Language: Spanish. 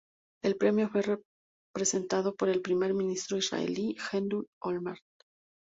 El premio fue presentado por el primer ministro israelí, Ehud Olmert.